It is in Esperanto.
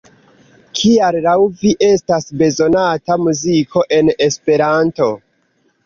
Kial laŭ vi estas bezonata muziko en Esperanto?